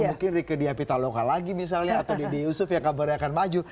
mungkin rike diapitaloka lagi misalnya atau dede yusuf yang kabarnya akan maju